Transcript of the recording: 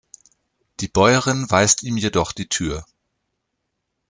Die Bäuerin weist ihm jedoch die Tür.